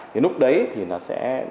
thì lúc đấy thì nó sẽ